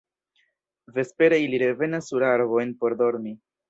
Vespere ili revenas sur arbojn por dormi.